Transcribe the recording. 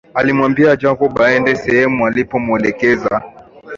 Alimwambia Jacob aondoke aende sehemu alipomuelekeza